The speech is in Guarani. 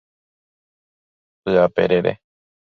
Py'aperere.